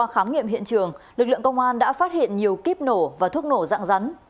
khám nghiệm hiện trường lực lượng công an đã phát hiện nhiều kíp nổ và thuốc nổ dạng rắn